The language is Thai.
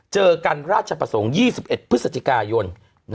เจอกันราชประสงค์๒๑พฤศจิกายน